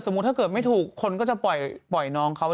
ถ้าเกิดไม่ถูกคนก็จะปล่อยน้องเขา